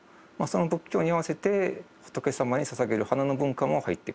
その仏教に合わせて仏様にささげる花の文化も入ってくる。